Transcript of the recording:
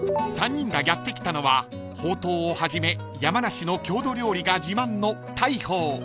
［３人がやって来たのはほうとうをはじめ山梨の郷土料理が自慢の］